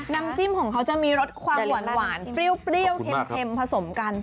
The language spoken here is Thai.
น้ำจิ้มของเขาจะมีรสความหวานเปรี้ยวเค็มผสมกัน